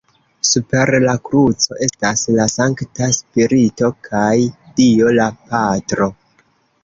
Super la kruco estas la Sankta Spirito kaj dio La Patro.